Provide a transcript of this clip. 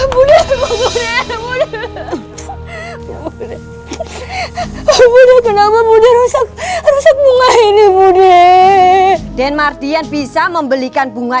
budaya budaya kenapa mudah rusak rusak bunga ini budaya dan mardian bisa membelikan bunga